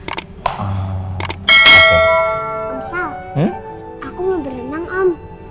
dan lain lain akan baik teractival